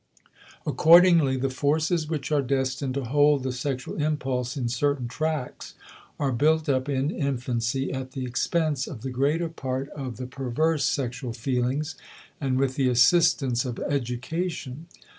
Accordingly, the forces which are destined to hold the sexual impulse in certain tracks are built up in infancy at the expense of the greater part of the perverse sexual feelings and with the assistance of education.